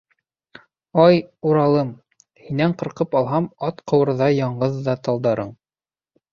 Ай, Уралым, һинән ҡырҡып алһам Ат ҡыуырҙай яңғыҙ ҙа талдарың